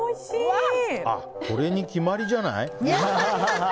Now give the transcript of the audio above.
これに決まりじゃない？